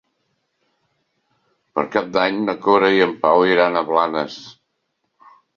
Per Cap d'Any na Cora i en Pau iran a Blanes.